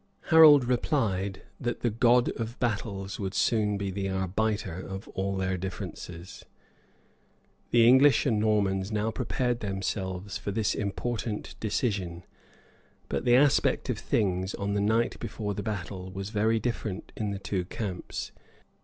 Harold replied, that the God of battles would soon be the arbiter of all their differences.[*] The English and Normans now prepared themselves for this important decision; but the aspect of things, on the night before the battle, was very different in the two camps.